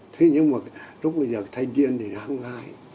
thế nhưng mà lúc bây giờ thanh niên thì đáng ngại